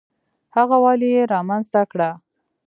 هغه ولې یې رامنځته کړه؟